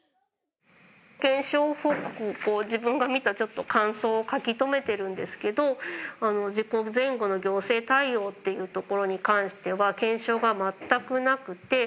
検証報告を自分が見た感想を書き留めてるんですけど事故前後の行政対応っていうところに関しては検証が全くなくて。